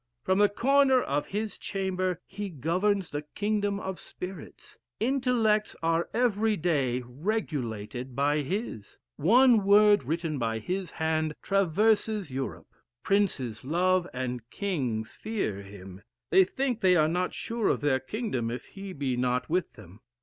From the corner of his chamber, he governs the kingdom of spirits; intellects are every day regulated by his; one word written by his hand traverses Europe. Princes love, and kings fear him; they think they are not sure of their kingdom if he be not with them.